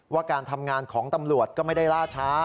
ว่าการทำงานของตำรวจก็ไม่ได้ล่าช้า